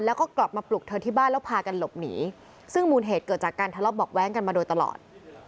แล้วก็กลับมาปลุกเธอที่บ้านแล้วพากันหลบหนีซึ่งมูลเหตุเกิดจากการทะเลาะเบาะแว้งกันมาโดยตลอด